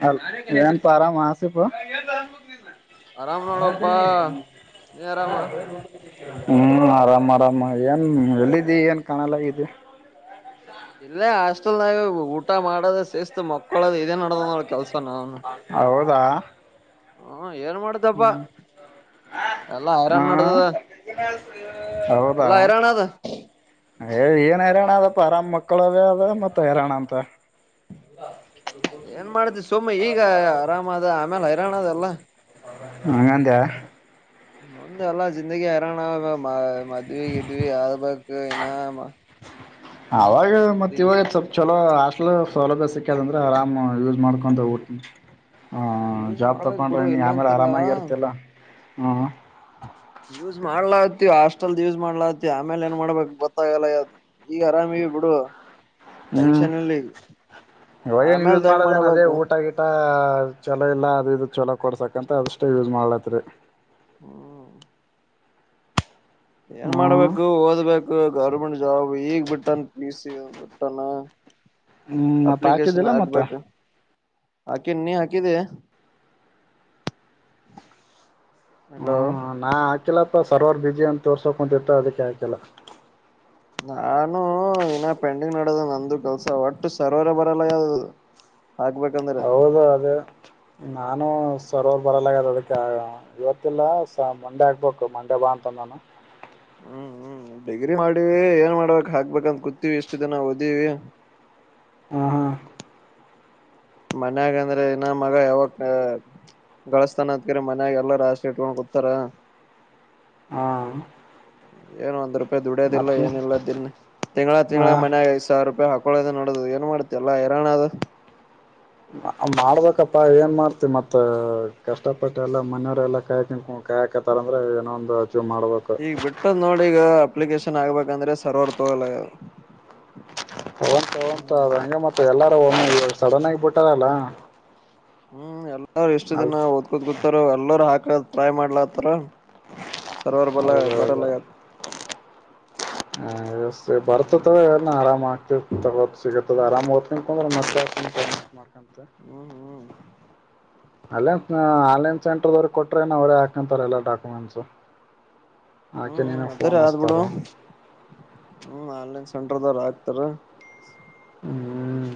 ಹ ನ್ ಆರಾಮ ಮಾಸ ಇಪ್ಪ ಆರಾಮ್ ನೋಡಪ್ಪಾ ನೀ ಆರಾಮ ಹ್ಮ್ ಆರಾಮ ಆರಾಮ, ಏನ್ ಎಲ್ಲಿದ್ದಿ ಏನ್ ಕಾಣಲ್ಲಗಿದ್ದಿ? ಇಲ್ಲೇ ಹಾಷ್ಟಲ್ದಾಗ, ಊಟ ಮಾಡದು ಸ್ಸ್ಸಿಸ್ತು ಹೌದಾ ಹ್ಮ ಏನ್ ಮಾಡ್ತಪ್ಪಾ ಹ್ಮ ಎಲ್ಲಾ ಹಾ ಹೈರಾಣ್ ನಡ್ದದ ಹೌದಾ ಎಲ್ಲಾ ಹೈರಾಣ ಅದ ಏ ಏನ್ ಹರಣ ಅದಪ್ಪ ಮ ಆರಾಮ್ ಮಕ್ಕಳವೇ ಅದ ಮತ್ತ ಹೈರಾಣ ಅಂತ ಏನ್ ಮಾಡ್ದ ಸುಮಮ್ಮ ಈಗ ಆರಾಮ ಅದ ಆಮೇಲೆ ಹೈರಾಣ ಅದಲ್ಲ.. ಅಂಗಂದಿಯಾ? ಮುಂದ್ ಎಲ್ಲಾ ಜಿಂದಗಿ ಹರಾಣಗಮ. ಮದುವ ಇದವಿ ಆರ್ಬಕ ಮ ಸೌಲಭ್ಯ ಸಿಕ್ಕ್ಯದ ಅಂದ್ರೆ ಆರಾಮ್ ಯೂಸ್ ಮಾಡ್ಕೊಂಡ ಊಟ ಹಾ ಯೂಸ್ ಜಾಬ್ ಮಾಡ್ಬೇಕ್ ತಕೊಂಡ್ರೆ ಬಿಡು ನೀ ಆಮೇಲೆ ಇಲ್ಲಂತಿಲ್ಲ ಆರಾಮಾಗಿ ಇರ್ತಿಿಲ್ಲ. ಹ್ಮ ಯೂಸ್ ಮಾಡ್ಲಾ ಹಾಸ್ಟೆಲ್ ಯೂಸ್ ಮಾಡ್ಲಾತಿ ಆಮೇಲೆ ಏನ್ ಮಾಡ್ಬೇಕಕ್ ಗೊತ್ತಾಗಲ್ಲ ಈಗ ಆರಾಮ ಬಿಡು ಹ್ಮ್ ಟೆನ್ಷನ್ ಇಲ್ಲ ಈಗ ಇವಾಗೇನ್ ಯೂಸ್ ಆಮೇಲ್ದ ಹೆಂಗ್ ಮಾಡೋದೇನ ಅದೇ ಮಾಡಬೇಕು ಊಟ ಗಿಟ? ಚಲೋ ಇಲ್ಲ ಅದ ಇ ಚಲೋ ಕೊಡ್ಸಕಂತ ಅದಷ್ಟೇ ಯೂಸ್ ಮಾಡ್ಲತ್ರಿ. ಹ್ಮ ಏನ್ ಹ್ಮ್ ಮಾಡ್ಬೇಕು ಓದ್ಬೇಕು ಗೌರ್ಮೆಂಟ್ ಜಾಬ್ ಈಗ್ ಬಿಟ್ಟನ್ ಪ್ಲೀಸ್ ಕಟ್ಟಣ ಹ್ಮ್ ಮತ್ತ ಹಾಕಿದ್ದಿಲ್ಲ ಮತ್ತ ಹಾಕಿ ನೀ ಹಾಕಿದೆ ಹ್ಮ ನಾ ಆಕಲ [inaudible] ಸರ್ವರ್ ಬಜಿ ಅಂತ ತೋರ್ಸೋಕ್ ಕುಂತಿರ್ತ ಅದಕ್ಕೆ ಆಕಿಲ್ಲ ನಾನು ಇನ್ನ ಪೆಂಡಿಂಗ್ ನಡದ ನಂದು ಕೆಲ್ಸ ಒಟ್ಟು ಸರೋವರ ಬರಲ್ಲ ಯಾವದು ಹೌದ ಅದೇ ನಾನು ಸರವರ್ ಬರಲ್ಲಾಗದ ಅದಕ್ಕೆ ಇವತ್ತಿಲ್ಲ ಸ ಮಂಡೆ ಆಗ್ಬೇಕು ಮಂಡೆ ಬಾ ಅಂತಂದ ನಾನು ಹ್ಮ್ ಹ್ಮ್ ಡಿಗ್ರಿ ಮಾಡವ ಏನ್ ಮಾಡ್ಬೇಕಕ್ ಹಾಕ್ಬೇಕಂತ ಕೂತಿವಿ ಇಷ್ಟು ದಿನ ಓದೀವಿ ಹ ಹಾ ಮನ್ಯಾಗ ಅಂದ್ರೆ ಇನ್ನ ಮಗ ಯಾವಾಗ ಗಳಸ್ತಾನ ಅತ್ಕ್ರ ಮನ್ಯಾಗ ಎಲ್ಲಾರ ಆಸೆ ಇಟ್ಕೊಂಡ್ ಕುೂತಾರ ಹಾ ಏನು ಒಂದ್ ರೂಪಾಯಿ ದುಡ್ಯದಿಲ್ಲ ಮತ್ತ ಏನಿಲ್ಲ ದನ್ ತಿಂಗಗಳ ತಿಂಗಗಳ ಮನ್ಯಾಗ ಐದು ಸಾವಿರ ರೂಪಾಯಿ ಹಾಕ ಳದ ನೋಡೋದು ಏನ್ ಮಾಡ್ತಿ ಎಲ್ಲ ಇರಾಣದು ಮಾಡಬೇಕಪ್ಪಾ ಏನ್ ಮಾಡ್ತಿ ಮತ್ ಕಷ್ಟಪಟ್ಟ ಎಲ್ಲಾ ಮನೆಯವರೆಲ್ಲಾ ಕಾಯ್ [unintelligible] ಕಾಯಾಕತಾರ ಅಂದ್ರೆ ಏನೊ ಒಂದು ಅಚೀವ್ ಮಾಡ್ಬೇಕು ಈಗ ಬಿಟ್ಟದ್ ನೋಡಿ ಈಗ ಅಪ್ಲಿಕೇಶನ್ ಚನ್ನ ಆಗ್ಬೇಕಂದ್ರೆ ಸರ್ವರ್ ತಗೋಲ್ಲ ಯದು ತ ಹಂಗೆ ಮತ್ತೆ ಎಲ್ಲ ಸಡನ್ ಆಗಿಬಿಟ್ಟಾರಲ್ಲ ಹ್ಮ್ ಎಲ್ಲಾ ರು ಎಷ್ಟು ದನ ಓದ್ ಕೂತ್ ಕೂತೋ ಎಲ್ಲರು ಹಾಕ ಟ್ರೈ ಮಾಡ್ಲತ್ತಾರ ಸರ್ವ [unintelligible] ಬರ ಹೌದೌದು ಲದು ಹ ಬರ್ತತವ ಎ ಆರಾಮ [inaudible] ತಗತ್ತು [unintelligible] ಹ್ಮ್ ಆರಾಮ ಹೋಗ್ತೇನ್ ಮ [unintelligible] ಹಂತ ಹ್ಮ್ ಹ್ಮ್ ಹ್ಮ್ ಅಲ್ಲ ಆನ್ಲೈನ್ ಸೆಂಟರ್ದವ್ರ ಕೊಟ್ರೆ ನ ಅವರೇ ಹಾಕಂತಾರೆ ಎಲ್ಲಾ ಡಾಕ್ಯುಮೆಂಟ್ಸು ಆಕೆ ನೀನ ಹ್ಮ್ ಅದರ ಪೋನ್ ಆದ್ ಅತಾರ ಬಿಡು ಹ್ಮ್ ಆನ್ಲೈನ್ ಸೆಂಟರ್ದಾರ ಆಗ್ತಾರ ಹ್ಮ್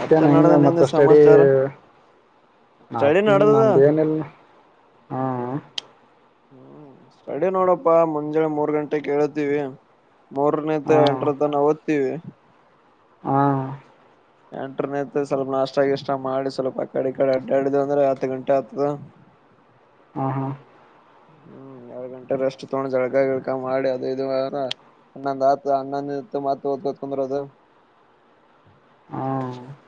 ಮತ್ತೆ ಹೆಂಗ ನಡ್ದ ನಿಂದ ಮತ್ತ ಅಷ್ಟಡಿ ಸಮಾಚಾರ ಸ್ಟಡಿ ನಡ್ದದ ನಂದ ಏನಿಲ್ಲ ಹ್ಮ ಹ್ಮ್ ಸಡೆ ನೋಡಪ್ಪಾ ಮುಂಜಾನೆ ಮೂರ್ ಗಂಟೆ ಕೇಳತೀವಿ ಮೂರನ ಎಂಟ್ರ ತ ನ ತಿವಿ ಹ್ಮ ಎಂಟ್ರನ ಸ್ವಲ್ಪ ನಾಷ್ಟಗ ಇಷ್ಟ ಮಾಡಿ ಸ್ವಲ್ಪ ಆ ಕಡೆ ಕಡೆ ಅಡ್ಡಾಡಿದ ಅಂದ್ರೆ ಹತ್ತು ಗಂಟೆ ಆಗ್ತದ ಹಾ ಹಾ ಹ್ಮ್ ಎರಡ್ ಗಂಟೆ ರೆಸ್ಟ್ ತೊಗೊಂಡು ಜಳ್ಕಾ ಗಿಳ್ಕಾ ಮಾಡಿ ಅದ ಇದು ವಾರ ಹನ್ನೊಂದು ಆತ ಹನ್ನೊಂದುತ್ತು ಮತ್ ಓದ್ಕೊಂತ ಕುಂದರೂದು ಹ್ಮ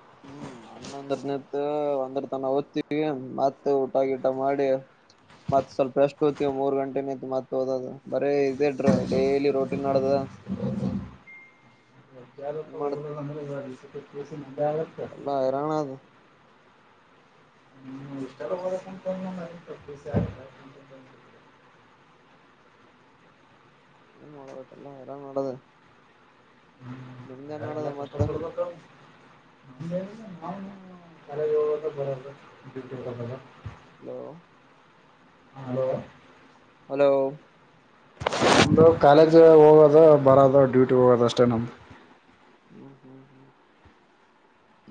ಮ ಒಂದ್ರ ತನ ಓದ್ತಿವಿ ಮತ್ ಊಟಾ ಗಿಟ ಮಾಡಿ ಮತ್ ಸ್ವಲ್ಪ ರೆಸ್ಟ್ ತುಗೊಂತೀವಿ ಮೂರ್ ಗಂಟೆ ನಿಂತ ಮತ್ ಓದದ ಬರೀ ಇದದೆಡ್ರ ಡೈಲಿ ರೋಟಿನ್ ನಡೆದದ ಮಾಡ ಓದಂದ್ರೆ [unintelligible] ಎಲ್ಲಾ ಹೈರಾಣಾದ ಹ್ಮ್ ಇಷ್ಟಲ್ಲ [unintelligible] ಏನ್ ಮಾಡಬೇಕು ಎಲ್ಲಾ ಹೈರಾಣದ ಹ್ಮ್ ಎಲ್ಲ ಮತ್ತ ಕಷ್ಟಪಡಬೇಕ [unintelligible] ಹಲೋ ಹಲೋ ಹಲೋ ನಮ್ಮದು ಕಾಲೇಜ್ ಹೋಗೋದು ಬರದು ಡ್ಯೂಟಿ ಹೋಗೋದ ಅಷ್ಟೇ ನಮ್ದ ಹ್ಮ್ ಹ್ಮ್ ಹ್ಮ್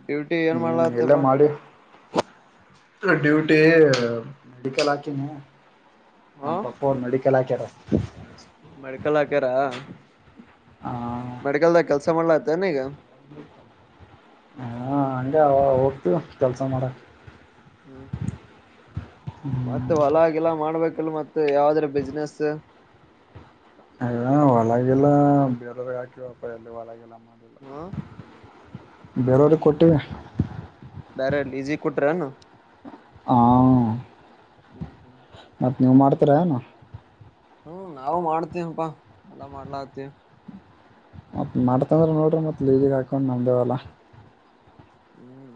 ಡ್ಯೂಟಿ ಏನು ಎಲ್ಲ ಮಾಡಿ ಡ್ಯೂಟಿ ಮೆಡಿಕಲ್ ಹಾಕಿನಿ ನಮ್ಮ್ ಪಪ್ಪ ಅವ್ರ ಮೆಡಿಕಲ್ ಹಾಕ್ಯಾರ [inaudible] ಮೆಡ್ಕಲ್ ಹಾಕ್ಯಾರ ಆ ಮೆಡಿಕಲ್ದ ಕೆಲ್ಸ ಕೆಲಸ ಮಾಡಲಾತಿಯೇನಿಗ ಹಾ ಹಂಗ ಹೋಗ್ತಿವಿ ಕೆಲಸ ಮಾಡಕ್ಕ ಹ್ಮ್ ಹ್ಮ್ ಹ್ಮ್ ಮತ್ತೆ ಹೊಲಗಿಲ ಮಾಡ್ಬೇಕ ಕಿಲ್ಲ ಮತ್ತ ಯಾವ್ದ್ರ ಬಿಸ್ನೆಸ್ ಅ ಹೊಲಗಿಲ ಬೇರವ್ರೀಗೆ ಹಾಕಿವಪ್ಪ ಯಲ್ಲಿ ಹೊಲಗಿಲ ಹಾ ಬೇರವ್ರೀಗ ಕೊಟ್ಟಿವೀ ಬ್ಯಾರೆ ಲೀಸಿಗೆ ಕೊಟ್ಟಿರೇನು ಹಾ ನೀವು ಮಾಡ್ತೀರಾನು ಹ್ಮ ನಾವು ಮಾಡ್ತೇವ್ಪಾ ಎಲ್ಲಾ ಮಾಡ್ಲತಿವಿ ಮತ್ ಮಾಡ್ತಂದ್ರೆ ನೋಡಿರಿ ಮತ್ತ ಲೀಜಿಗೆ ಹಾಕೊಂಡು ನಮ್ದು ಹೊಲ ಹ್ಮ್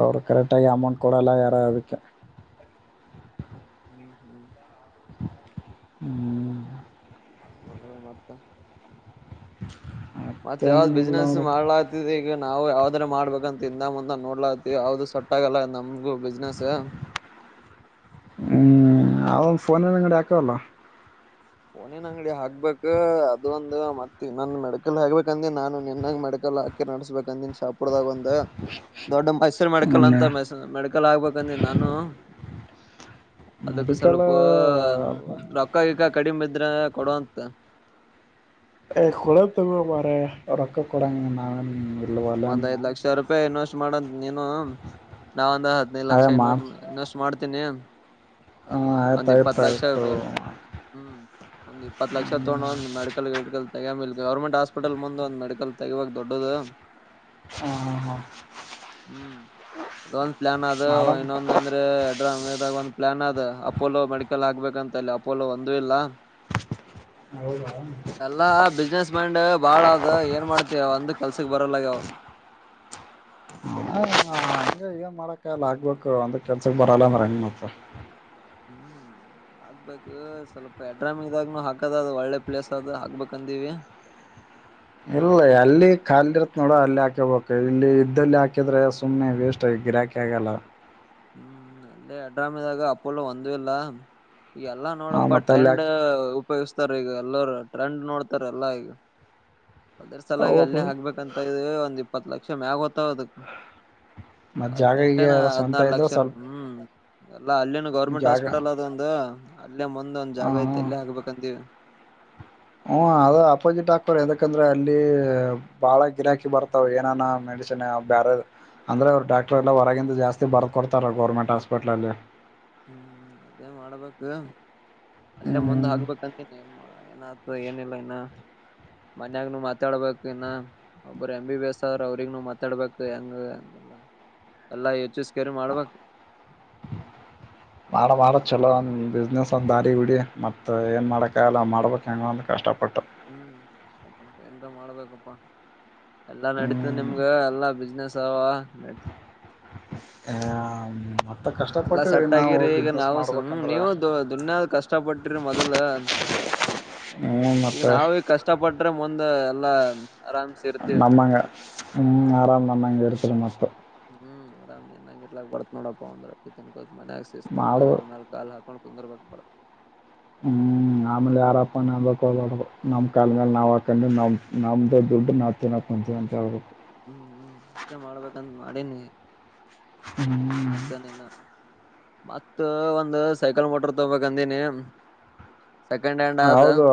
ಅವ್ರು ಕರೆಕ್ಟಾಗಿ ಅಮೌಂಟ್ ಕೊಡಲ್ಲ ಯಾರಾ ಅದಕ್ಕೆ [inaudible] ಹ್ಮ್ ಮಗಳ ಮತ್ತ್ [inaudible] ಮತ್ತ ಯಾವ್ದ್ ಮತ್ತೇನಿಲ್ಲ ಬಿಸ್ನೆಸ್ ನೋಡಪ್ಪ ಮಾಡ್ಲಾತ್ತಿದಿ ಈಗ ನಾವು ಯಾವ್ದ್ರ ಮಾಡ್ಬೇಕಂತ ಇಂದ ಮುಂದ ನೋಡ್ಲತಿವಿ ಅವ್ದ ಸೊಟ್ಟ ಆಗಲ್ಲ ನಮ್ಗು ಬಿಸ್ನೆಸ್ ಹ್ಮ್ ಅವ ಒಂದು ಫೋನ್ಲ್ಲ ಅಂಗಡಿ ಹಾಕವಲ್ಲ ಫೋನೀನ ಅಂಗಡಿ ಹಾಕ್ಬೇಕಕ್ ಅದು ಒಂದು ಮತ್ತೆ ನನ್ ಮೆಡಿಕಲ್ ಹಾಕ್ಬೇಕಂದಿನ್ ನಾನು ನಿನ್ನಾಗ ಮೆಡಿಕಲ್ ಹಾಕಿ ನಡ್ಸ್ಬೇಕಂದಿನ್ ಶಾಪುರದಾಗಂದ ದ್ ದೊಡ್ಡ ಮೈಸೂರು ಮೆಡಿಕಲ್ ಅಂತ ಮ ಮೆಡಿಕಲ್ ಆಗ್ಬೇಕಂದ ನಾನು ಅದಕ್ ಮೆಡಿಕಲ್ ಸ್ವಲ್ಪ ಅಲ್ಲ ರೊಕ್ಕಗಿಕ್ಕ ಮಿದ್ರ ಕೊಡುವಂತ ಏ ಕೊಡ ತಗೋಬಾರಯ್ಯ ರೊಕ್ಕ ಕೊಡಂಗ ನಾವೇನ್ ಇಲ್ವಲ್ಲ ಒಂದ್ ಅಂದ್ನ ಐದು ಲಕ್ಷ ರೂಪಾಯಿ ಇನ್ವೆಸ್ಟ್ ಮಾಡನ್ನ್ ನೀನು ನಾನ ಹದಿನೈದು ಲಕ್ಷ ಅದೇ ಮಾ ಇನನ್ ಇನ್ವೆಸ್ಟ್ ಮಾಡ್ತ್ ಿದ್ದನ [inaudible] ಹಾ ಆಯ್ತು ಒಂದ್ ಇಪ್ಪತ್ ಆಯ್ತು ಲಕ್ಷ ಆಯ್ತು ಹ್ಮ್ ಒಂದ್ ಇಪ್ಪತ್ತು ಲಕ್ಷ ಹ್ಮ್ ತಗೊಂಡ ಒಂದು ಮೆಡಕಲ್ಡ್ಕಲ್ ತಗಾಮೇಲ್ ಗೌರ್ಮೆಂಟ್ ಹಾಸ್ಪಿಟಲ್ ಮುಂದೆಂದಂದು ಮೆಡಿಕಲ್ ತೆಗುವಾಗ ದೊಡ್ಡದು ಹಾ ಹಾ ಹಾ ಹ್ಮ್ ಅದೊಂದ್ ಪ್ಲಾನ್ ಅದು ಮಾಡಮ್ ಇನ್ನೊಂದ ಅಂದ್ರೆ ಎ ಅವಾಗ ಒಂದು ಪ್ಲಯಾನ್ ಅದ ಅಪೋಲೋ ಮೆಡಿಕಲ್ ಆಗ್ಬೇಕಂತಲ್ಲಿ ಅಪೋಲೋ ಒಂದು ಇಲ್ಲ ಹೌದಾ ಹಂಗೆ ಎಲ್ಲಾ ಬಿಸ್ನೆಸ್ ಮೈಂಡ್ ಬಾಳದು ಏನ್ ಮಾಡತ್ತಿ ಒಂದ್ ಕಲ್ಸ ಸ ಬರೋ ಲಗಾವ ಹ ಈ ಈಗ ಮಾಡಕ್ಕಲ್ಲ ಆಗ್ಬೇಕು ಅಂದ ಕೆಲ್ಸಕ್ ಬರಲ್ಲ ಮರಂಗ ಮತ್ರ ಹ್ಮ್ ಆಗ್ಬೇಕು ಸ್ವಲ್ಪ ಎಡ್ರಾಮಿಂದಾಗನು ಹಾಕದ ಅ ಒಳ್ಳೆ ಪ್ಲೇಸ್ ಆದದ ಹಾಬೇಕಂದೀವಿ ಇಲ್ಲ ಅಲ್ಲಿ ಖಾಲಿ ಇರತ್ ನೋಡ ಅಲ್ಲಿ ಹಾಕಬಬೇಕು ಇಲ್ಲಿ ಇದ್ದಲ್ಲಿ ಹಾಕಿದ್ರೆ ಸುಮ್ನೆ ವೇಸ್ಟ್ ಗಿರಾಕಿ ಆಗಲ್ಲ ಹ್ಮ್ ಅಲ್ಲೇ ಅಡ್ರಾಮೆದಾಗ ಅಪ್ಪಲ್ಲ ಒಂದ ಇಲ್ಲ ಎಲ್ಲಾ ಆ ನೋಡಪ್ಪ ಮತ್ತ ಅಲ್ಲಿ ಟ್ರೆಂಡ್ ಹಾಕಿ ಉಪಯೋಗಿಸ್ತಾರ ಈಗ ಎಲ್ಲರು ಟ್ರೆಂಡ್ ನೋಡ್ತಾರ ಎಲ್ಲಾ ಈಗ ಅದ್ರ ಸಲಾಗಿ ಅಲ್ಲೇ ಹೌದು ಹಗ್ಬೇಕಂತ ಇದ ಒಂದ ಇ ಇಪ್ಪತ್ತು ಲಕ್ಷ ಮ್ಯ ಆಗುತ್ತ ಹದಕ್ ಮತ್ ಜಾಗ ಈಗ ಹದ್ನೆಂಟೇನ ಸ್ವಂತ ಹದ್ನಾರು ಇದ್ರೆ ಲಕ್ಷ ಸ್ವಲ್ಪ ಹ್ಮ್ ಎಲ್ಲ ಅಲ್ಲಿನು ಗೌರ್ಮೆಂಟ್ ಜಾಗ ಹಾಸ್ಪಿಟಲ್ ಅದ ಒಂದು ಎಲ್ಲೇ ಮಂದ್ ಒಂದ್ ಹ ಜಾಗ ಐತೆ ಎಲ್ಲೇ ಹಗ್ಬೇಕಂತೀವಿ ಹ್ಮ ಅದ ಅಪೋಸಿಟ್ ಆಕ್ಟರ್ ಯದಕಂದ್ರೆ ಅಲ್ಲಿ ಬಾಳ ಗಿರಾಕಿ ಬರ್ತಾವ ಏನಾನ ಮೆಡಿಸನ್ ಬೇರೆ ಅಂದ್ರೆ ಅವರು ಡಾಕ್ಟರ್ ಎಲ್ಲ ಹೊರಗಂದ ಜಾಸ್ತಿ ಬರ್ದಕ ಕೊಡ್ತಾರ ಗೌರ್ಮೆಂಟ್ ಹಾಸ್ಪಿಟ್ಲಲ್ಲಿ ಹ್ಮ್ ಅದೇ ಮಾಡಬೇಕು ಅಲ್ಲೇ ಮುಂದ್ ಹ್ಮ್ ಹಗ್ಬೇಕಂತನಿ ಏನ್ ಮಾಡ ಏನ ಆತು ಏನಿಲ್ಲ ಇನ್ನ ಮನ್ಯಾಗನುೂ ಮಾತಾಡ್ಬೇಕು ಇನ್ನ ಒಬ್ಬರು ಎಮ ಬಿ ಬಿ ಎಸ್ ಅವ್ರರು ಅವ್ರಿಗ್ನು ಮಾತಾಡ್ಬೇಕ ಹೆಂಗಂಗಿಲ್ಲ ಎಲ್ಲಾ ಯಚ್ಸ ಕೇರ್ ಮಾಡ್ಬೇಕ ಬಾಳ ಬಾಳ ಚಲೋ ಬಿಸ್ನೆಸ್ ಅಂದ ದಾರಿ ಬಿಡಿ ಮತ್ ಏನ್ ಮಾಡಕಲ್ಲ ಮಾಡ್ಬೇಕಕ್ ಹೆಂಗಂದ ಕಷ್ಟ ಪ ಹ್ಮ್ ಕಪ ಉಂಟ [inaudible] ಮಾಡ್ಬೇಕಪ್ಪ ಎಲ್ಲಾ ನಡತದ ಹ್ಮ್ ನಿಮ್ಗ ಎಲ್ಲಾ ಬಿಸ್ನೆಸ್ ಸ ನ [inaudible] ಹಾ ಎಲ್ಲಾ ಸೆಟ್ ಆಗಿರಿ ಈಗ ನಾವು ಮಾಡ್ಬೇಕಂದ್ರೆ ನೀವು ದ ದುನ್ಯಾದ ಕಷ್ಟಪಟ್ಟಿರಿ ಮೊದಲ್ ಹ್ಮ ಈಗ ಮತ್ತೆ ನಾವ ಈಗ ಕಷ್ಟಪಟ್ರೆ ಮೊ ದ ಎಲ್ಲಾ ಆರಾಮ್ಸ ಇರ್ತಿವಿ ನಮ್ಮಂಗ ಹ್ಮ್ ಆರಾಮ್ ನಮ್ಮಂಗ ಇರ್ತೀರ ಮತ್ತ್ ಹ್ಮ್ ಆರಾಮ್ ನಿನ್ನಂಗ್ ಇರ್ಲಕ್ ಬಡತ ನೋಡಪ್ಪಾ ಒಂದು ರೊಟ್ಟಿ ತಿನ್ಬೇಕ್ ಮನ್ಯಾಗ ಶಿಸ್ತು ಮಾಡು ಕಾಲಿನ್ ಮೇಲ್ ಕಾಲ್ ಹಾಕೊಂಡು [unintelligible] ಹ್ಮ್ ಆಮೇಲೆ ಯಾರಪ್ಪ ನ ಅನ್ ನಮ್ ಕಾಲ ಮೇ ನಾವ್ ಹಾಕೊಂಡ ನಮ್ ನಮ್ದ ದುಡ್ಡು ನಾವ್ ತಿನ್ನಕ್ಂತೀವಿ ಅಂತಳ್ಬೇಕ ಹ್ಮ್ ಹ್ಮ್ ಅಷ್ಟೇ ಮಾಡ್ಬೇಕಂತ ಮಾಡಿನಿ ನ ಹ್ಮ್ ಅದಾದಿನ ಮತ್ತ ಒಂದು ಸೈಕಲ್ ಮೋಟರ್ ತೊಗಬೇಕಂದೀನಿ ಸೆಕೆಂಡ್ ಹ್ಯಾಂಡ್ ಆದ ಹೌದು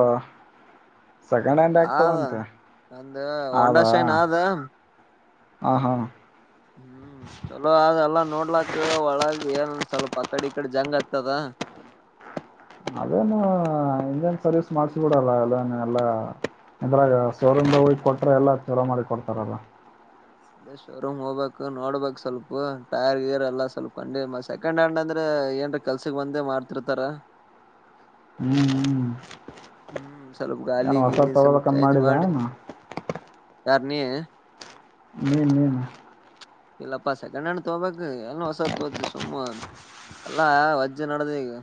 ಸೆಕೆಂಡ್ ಹ್ಯಾಂಡ್ ಯಾಕ್ ಆದ ತಗೊಂತಿ ಒಂದು ಹೊಂಡಾ ಅದಾ ಶೈನ್ ಆದ ಹ ಹಾ ಹ್ಮ್ ಚಲೋ ಅಲ್ಲ ನೋಡ್ಲಾಕ್ ಒಳಗ ಏನಂದ ಸ್ವಲ್ಪ ಅ ಕಡೆ ಈ ಕಡೆ ಜಂಗ್ ಆಗ್ತದ ಅದೇನು ಇಂಜನ್ ಸರ್ವಿಸ್ ಮಾಡ್ಸಬಿಡಲ್ಲ ಅದೇನ್ ಎಲ್ಲಾ ಇದ್ರಾಗ ಶೋ ರೂಮ್ ದಾಗ ಕೊಟ್ರ ಎಲ್ಲ ಚಲೋ ಮಾಡಿ ಕೊಡ್ತಾರಲ್ಲ ಅ ಶೋರೂಮ್ ಹೋಗ್ಬೇಕಕ್ ನೋಡ್ಬೇಕಕ್ ಸ್ವಲ್ಪ ಟೈರ್ ಗೀರ್ ಎಲ್ಲಾ ಸ್ವಲ್ಪ ಕಿ ಸೆಕೆಂಡ್ ಹ್ಯಾಂಡ್ ಅಂದ್ರೆ ಏನ್ರ ಕೆಲ್ಸಕ್ ಬಂದೇ ಮಾಡ್ತಿರ್ತಾರ ಹ್ಮ್ ಹ್ಮ್ ಹ್ಮ್ ಸ್ವಲ್ಪ ಗಾಲಿ ಏನ್ ಹೊಸಾದ್ ಗೀಲಿ ಸ್ವಲ್ಪ ತಗೋಬೇಕಂತ ಚೇಂಜ್ ಮಾಡಿದ್ಯಾ ಮಾಡಿ ಏನು ಯಾರ ನೀ [unintelligible] ಇಲ್ಲಪ್ಪಾ ಸೆಕೆಂಡ್ ಹ್ಯಾಂಡ್ ತಗಬೇಕು ಎನ್ ಹೊಸದ ತೋತಿ ಸುಮ್ಮು ಎಲ್ಲಾ ವಜ್ಜೆ ನಡ್ದ ಈಗ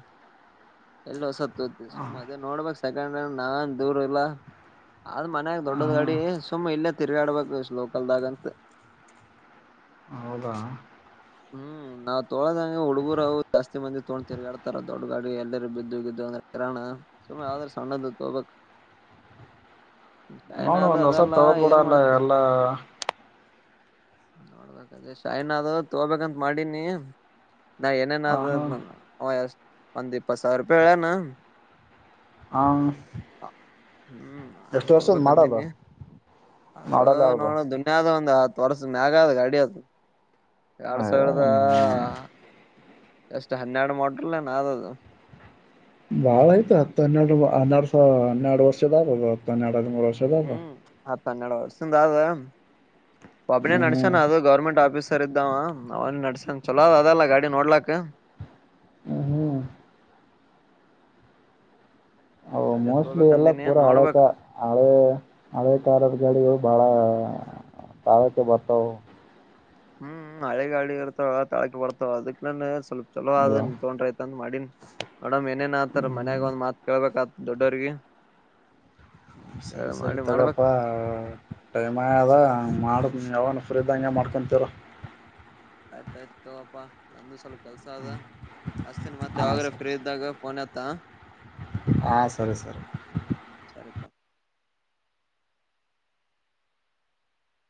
ಎಲ್ಲ ಹೊಸತ್ತುತಿ ಸುಮ್ ಅದೇ ನೋಡ್ಬೇಕಕ್ ಸೆಕೆಂಡ್ ಹಂಡ್ ನಾನ್ ದೂರ ಇಲ್ಲ ಆದ್ ಮನ್ಯಾಗ ದೊಡ್ಡದ್ ಹ್ಮ್ ಗಾಡಿ ಸುಮಮ್ಮ್ ಇಲ್ಲೇ ತಿರ್ಗಾಡ್ಬೇಕು್ಲೋಕಲ್ದಾಗಂತ ಹೌದಾ ಹ್ಮ್ ನಾವ್ ತೊಳದ ಹೆಂಗ ಹುಡುಗುರುವು ಜಾಸ್ತಿ ಮಂದಿ ತೊಗೊಂಡ ತಿರ್ಗಾಡ್ತಾರ ದೊಡ್ಡ ಗಾಡ ಎಲ್ಲರೂ ಬಿದ್ದು ಗಿದ್ದು ಅಂದ್ರೆ ಕರೋಣ ಸುಮ್ಮ್ ಆದ್ರ ಸಣ್ಣದ ತೋಬೇಕಕ್ ನೋಡು ಒಂದ್ ಹೊಸದು ತೊಗೋದ್ಬಿಡೋದು ಎಲ್ಲ ನೋಡ್ಬೇಕದೇ ಶೈನ್ ಅದು ತಗೋಬೇಕಂತ ಮಾಡೀನಿ ನಾ ಹ ಏನೇನಾದ್ ಹಾ [unintelligible] ಒಂದು ಇಪ್ಪತ್ತ್ ಸಾವಿರ ರೂಪಾಯಿ ಹೇಳೇನ ಆ ಹ್ಮ್ ಅದೇ ತಗೊಬೇಕ ಅಂದಿನಿ ಅದು ಮಾಡಲ್ಲ ಯಾವ್ದು ನೋಡ ದುಂಡ್ಯಾದ ಒಂದು ಪರ್ಸ್ ಮ್ಯಾಗ ಅದು ಗಾಡಿ ಅದು ಎರಡ್ ಸಾವಿರದ ಎಷ್ಟು ಹನ್ನೆರಡು ಮೋಟರ್ನ್ ಅದು ಬಾಳ ಆಯ್ತು ಹತ್ತ್ ಹನ್ನೆರಡು ಹನ್ನೆರಡು ಸಾವ್ ಹನ್ನೆರಡು ವರ್ಷದ ಆಗದು ಹತ್ತು ಹನ್ನೆರಡು [unintelligible] ಹ್ಮ್ ಹತ್ ಹನ್ನೆರಡು ವರ್ಷದ ಆದ ಒಬ್ಬನೇ ಹ್ಮ್ ನಡಸ್ಯನ ಅದು ಗೌರ್ಮೆಂಟ್ ಆಫೀಸರ್ ಇದ್ದಾವ ಅವನ್ ನಡಸನ್ ಚಲೋ ಅದ್ ಅದಲ್ಲ ಗಾಡಿ ನೋಡ್ಲಕ್ ಹ್ಮ್ ಹ್ಮ್ ಹ್ಮ್ ಅವು ಅದೇ ಮೋಸ್ಟ್ಲಿ ಎಲ್ಲ ತೋಬೇಕಂದಿನಿ ಪೂರ ಹಳೆ ನೋಡ್ಬೇಕ ಕ ಹಳೆ ಹಳೆ ಕಾಲದ್ ಗಾಡಿ ಬಾಳ ತಳೋಕೆ ಬತಾವ ಹ್ಮ್ ಹಳೆ ಗಾಳಿ ಇರ್ತಾವ ತಾಳಕ್ಕೆ ಬರ್ತಾವ ಅದಕ್ಕ ನಾನ ಸ್ವಲ್ಪ ಚಲೋ ಇವ ಅದನ್ ತಗೊಂಡ್ರ ಆಯ್ತ್ ಅಂದ್ ಮಾಡಿನ್ ನೋಡಮ್ ಏನೇನ್ ಆತ ಹ್ಮ್ ಮನ್ಯಾಗ ಒಂದ ಮಾತ್ ಕೇಳ್ಬೇಕಾತ್ ದೊಡ್ಡೋರಿಗೆ ಸರಿ ಸರಿ ತಗಪ್ಪಾ ಟೈಮ್ ಆಗದ ಮಾಡು ಯಾವನು ಫ್ರೀದಂಗೆ ಮಾಡ್ಕೊಂತಿರು ಆಯ್ತಾಯ್ತು ತಗೊಪಾ ನಂದು ಸ್ವಲ್ಪ ಕೆಲ್ಸ ಅದ ಹಚ್ಚ್ತೀನ್ ಮತ್ತ್ ಯಾವಾಗರ ಫ್ರೀ ಇದ್ದಾಗ ಫೋನ್ ಎತ್ತ ಹಾ ಸರಿ ಸರಿ ಸರಿತ